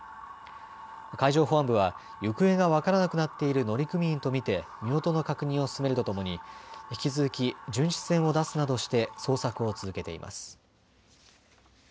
海上保安部は行方が分からなくなっている乗組員と見て身元の確認を進めるとともに引き続き、巡視船を出すなどして捜索を続けています。